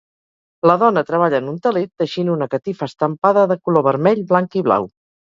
La dona treballa en un teler teixint una catifa estampada de color vermell, blanc i blau.